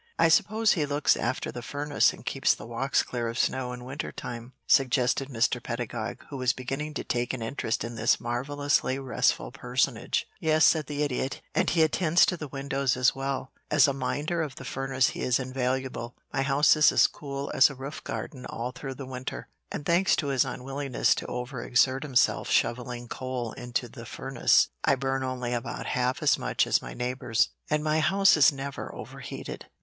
"I suppose he looks after the furnace and keeps the walks clear of snow in winter time?" suggested Mr. Pedagog, who was beginning to take an interest in this marvellously restful personage. [Illustration: "'HE SHOVELS OFF A FOOT PATH'"] "Yes," said the Idiot; "and he attends to the windows as well. As a minder of the furnace he is invaluable. My house is as cool as a roof garden all through the winter, and thanks to his unwillingness to over exert himself shovelling coal into the furnace, I burn only about half as much as my neighbors, and my house is never overheated.